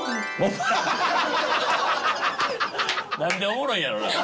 なんでおもろいんやろな？